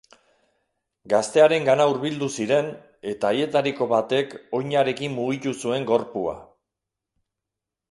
Gaztearengana hurbildu ziren, eta haietariko batek oinarekin mugitu zuen gorpua.